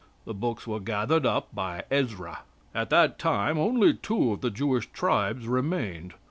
The books were gathered up by Ezra. At that time only two of the Jewish tribes remained.